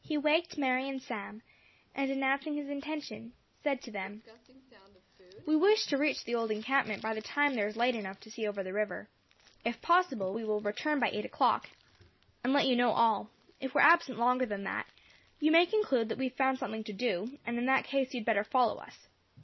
He waked Mary and Sam, and announcing his intention, said to them: "We wish to reach the old encampment by the time there is light enough to see over the river. If possible, we will return by eight o'clock, and let you know all. If we are absent longer than that, you may conclude that we have found something to do; and in that case, you had better follow us.